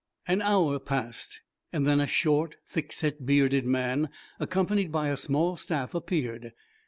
An hour passed, and then a short, thickset, bearded man, accompanied by a small staff, appeared.